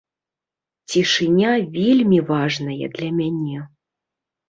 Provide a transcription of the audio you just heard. Цішыня вельмі важная для мяне.